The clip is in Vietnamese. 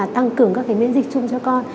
tăng cường các miễn dịch chung cho con